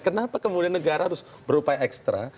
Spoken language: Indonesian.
kenapa kemudian negara harus berupaya ekstra